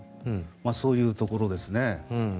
そういうところですね。